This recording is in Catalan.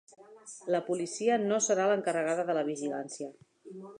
La policia no serà l'encarregada de la vigilància